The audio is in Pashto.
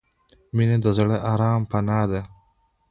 • مینه د زړه د آرام پناه ده.